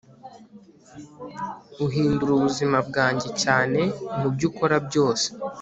uhindura ubuzima bwanjye cyane mubyo ukora byose